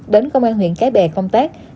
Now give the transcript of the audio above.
đến công an huyện cái bè công tác